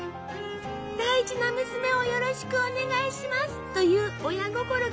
「大事な娘をよろしくお願いします」という親心が込められているの。